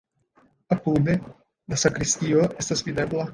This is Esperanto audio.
Apude la sakristio estas videbla.